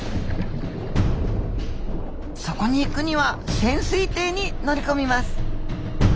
そこに行くには潜水艇に乗り込みます。